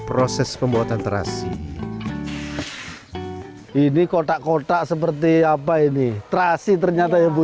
proses pembuatan terasi ini kotak kotak seperti apa ini terasi ternyata ya bu